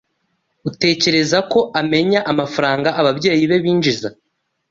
Utekereza ko amenya amafaranga ababyeyi be binjiza?